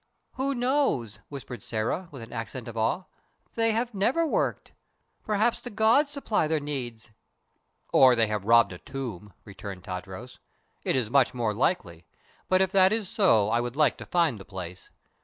"Who knows?" whispered Sĕra, with an accent of awe. "They have never worked. Perhaps the gods supply their needs." "Or they have robbed a tomb," returned Tadros. "It is much more likely; but if that is so I would like to find the place.